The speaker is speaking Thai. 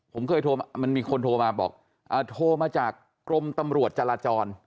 ผมเคยโทรมามันมีคนโทรมาบอกโทรมาจากกรมตำรวจจราจร